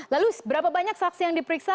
lalu berapa banyak saksi yang diperiksa